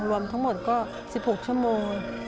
รวมทั้งหมดก็๑๖ชั่วโมง